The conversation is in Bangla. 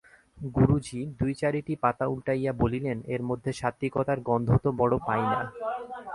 গুরুজি দুই-চারিটি পাতা উলটাইয়া বলিলেন, এর মধ্যে সাত্ত্বিকতার গন্ধ তো বড়ো পাই না।